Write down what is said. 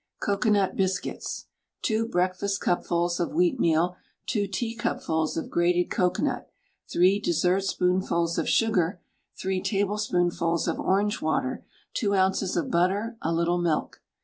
COCOANUT BISCUITS. 2 breakfastcupfuls of wheatmeal, 2 teacupfuls of grated cocoanut, 3 dessertspoonfuls of sugar, 3 tablespoonfuls of orange water, 2 oz. of butter, a little milk.